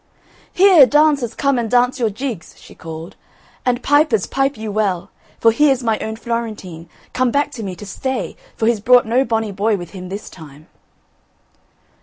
"Here, dancers come and dance your jigs," she called, "and pipers, pipe you well, for here's my own Florentine, come back to me to stay for he's brought no bonny boy with him this time."